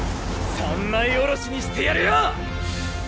三枚おろしにしてやるよ！